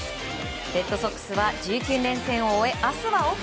レッドソックスは１９連戦を終え明日はオフ。